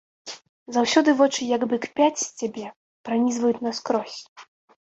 Заўсёды вочы як бы кпяць з цябе, пранізваюць наскрозь.